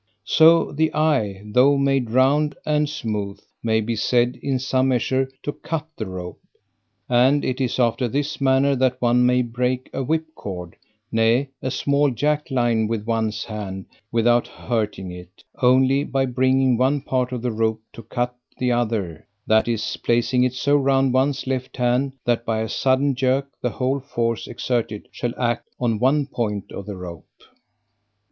So the eye, tho' made round and smooth, may be said in some measure to CUT THE ROPE. And it is after this manner that one may break a whip cord, nay, a small jack line with one's hand without hurting it; only by bringing one part of the rope to cut the other; that is, placing it so round one's left hand, that by a sudden jerk, the whole force exerted shall act on one point of the rope.